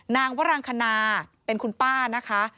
วรังคณาเป็นคุณป้านะคะ